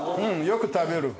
よく食べる。